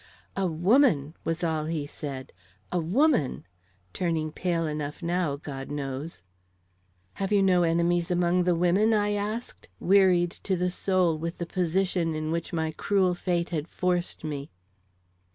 "A woman!" was all he said; "a woman!" turning pale enough now, God knows. "Have you no enemies among the women?" I asked, wearied to the soul with the position in which my cruel fate had forced me.